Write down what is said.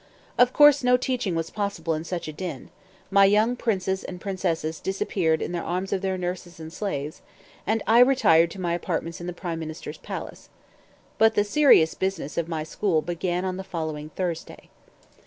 Of course, no teaching was possible in such a din; my young princes and princesses disappeared in the arms of their nurses and slaves, and I retired to my apartments in the prime minister's palace. But the serious business of my school began on the following Thursday.